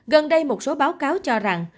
gần đây một số báo cáo cho rằng